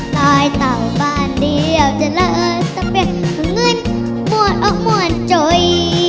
ตายเต่าบ้านเดียวจะเลิกต้องเปลี่ยนของเงินหมวดออกหมวดโจ๋ย